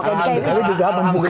oke di kib juga